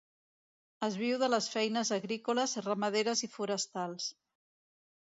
Es viu de les feines agrícoles, ramaderes i forestals.